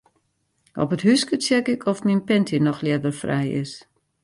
Op it húske check ik oft myn panty noch ljedderfrij is.